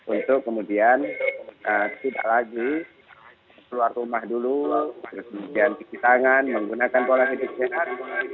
untuk kemudian tidak lagi keluar rumah dulu kemudian cuci tangan menggunakan pola hidup sehat